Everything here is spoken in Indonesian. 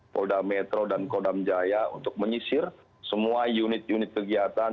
polda metro dan kodam jaya untuk menyisir semua unit unit kegiatan